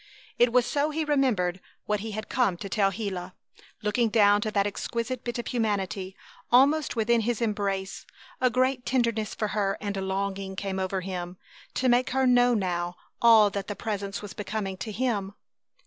It was so he remembered what he had come to tell Gila. Looking down to that exquisite bit of humanity almost within his embrace, a great tenderness for her, and longing, came over him, to make her know now all that the Presence was becoming to him.